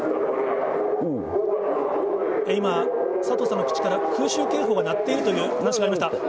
今、佐藤さんの口から空襲警報が鳴っているという話がありました。